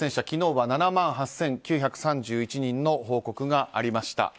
昨日は７万８９３１人の報告がありました。